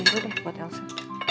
bikin gue deh buat elsa